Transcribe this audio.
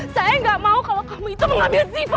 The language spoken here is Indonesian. saya gak mau kalau kamu itu mengambil siva